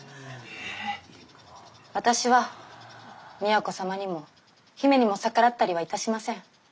私は都様にも姫にも逆らったリはいたしません。